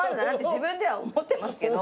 自分では思ってますけど。